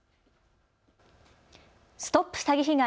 ＳＴＯＰ詐欺被害！